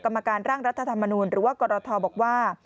กรรมการร่างรัฐธรรมนูลหรือว่ากรทบอกว่า